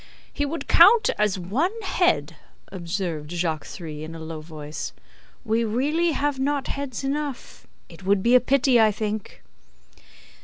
"He would count as one head," observed Jacques Three, in a low voice. "We really have not heads enough; it would be a pity, I think."